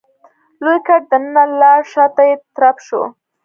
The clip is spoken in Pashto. لوی ګټ دننه لاړ شاته يې ترپ شو.